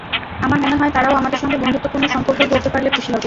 আমার মনে হয়, তারাও আমাদের সঙ্গে বন্ধুত্বপূর্ণ সম্পর্ক গড়তে পারলে খুশি হবে।